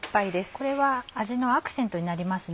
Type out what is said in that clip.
これは味のアクセントになりますね。